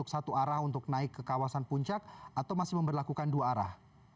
satu arah untuk naik ke kawasan puncak atau masih memperlakukan dua arah